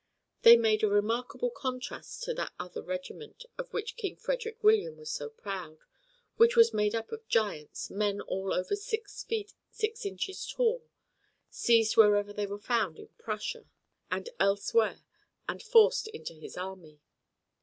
They made a remarkable contrast to that other regiment of which King Frederick William was so proud, which was made up of giants, men all over six feet six inches tall, seized wherever they were found in Prussia and elsewhere and forced into his army.